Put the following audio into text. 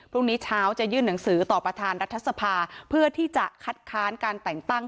พรุ่งนี้เช้าจะยื่นหนังสือต่อประธานรัฐสภาเพื่อที่จะคัดค้านการแต่งตั้ง